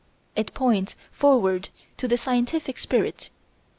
It points forward to the scientific spirit.